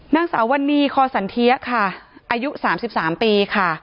นางสาววันนี้คอสันเทียค่ะอายุ๓๓ปีค่ะ